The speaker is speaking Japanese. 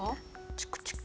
チクチク。